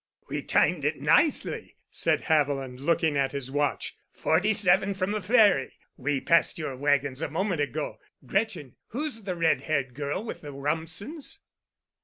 "We timed it nicely," said Haviland, looking at his watch. "Forty seven from the ferry. We passed your wagons a moment ago. Gretchen, who's the red haired girl with the Rumsens?"